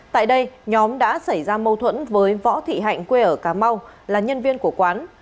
tại đây nhóm đã xảy ra mâu thuẫn với võ thị hạnh quê ở cà mau là nhân viên của quán